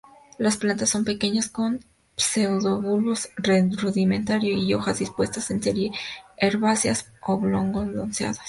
Las plantas son pequeñas, con pseudobulbos rudimentario y hojas dispuestas en serie, herbáceas, oblongo-lanceoladas.